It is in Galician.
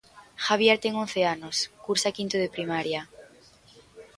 Javier ten once anos, cursa quinto de primaria.